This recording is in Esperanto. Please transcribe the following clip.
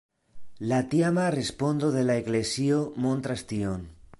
La tiama respondo de la eklezio montras tion.